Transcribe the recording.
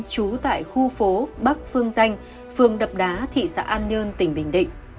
trú tại khu phố bắc phương danh phường đập đá thị xã an nhơn tỉnh bình định